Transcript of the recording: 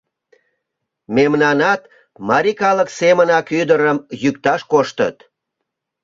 Мемнанат марий калык семынак ӱдырым йӱкташ коштыт.